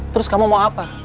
terus kamu mau apa